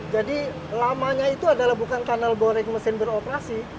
jadi lamanya itu adalah bukan tunnel boring mesin beroperasi